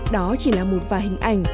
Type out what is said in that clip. đó chỉ là một vài hình ảnh